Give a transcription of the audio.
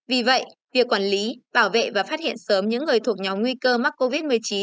vì vậy việc quản lý bảo vệ và phát hiện sớm những người thuộc nhóm nguy cơ mắc covid một mươi chín